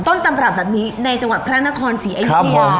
ต้นตำรับแบบนี้ในจังหวัดพระนครศรีอยุธยา